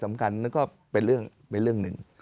สำคัญก็เป็นเรื่องหนึ่ง